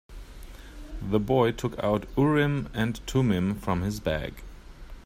The boy took out Urim and Thummim from his bag.